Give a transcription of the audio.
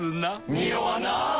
ニオわない！